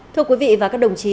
thưa quý vị và các đồng chí